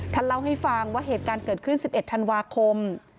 เล่าให้ฟังว่าเหตุการณ์เกิดขึ้น๑๑ธันวาคม